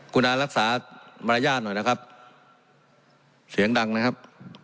คุณอารักษามารยาทหน่อยนะครับเสียงดังนะครับ